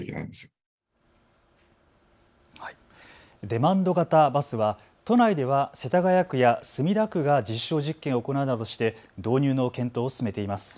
デマンド型バスは都内では世田谷区や墨田区が実証実験を行うなどして導入の検討を進めています。